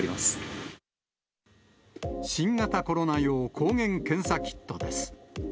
新型コロナ用抗原検査キットです。